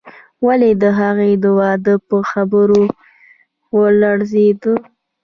ولې د هغې د واده په خبر ولړزېدم.